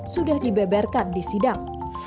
sudah dibeberkan di sidang